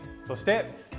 そして。